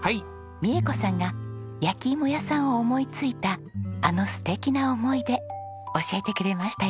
美恵子さんが焼き芋屋さんを思いついたあの素敵な思い出教えてくれましたよ。